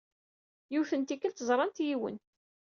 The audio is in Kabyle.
Yiwet n tikkelt, ẓrant yiwen.